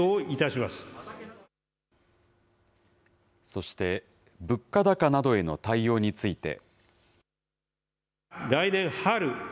そして、物価高などへの対応について。